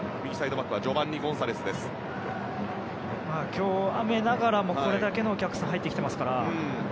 今日、雨ながらもこれだけのお客さんが入ってきていますから。